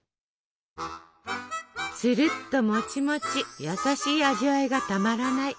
つるっともちもち優しい味わいがたまらない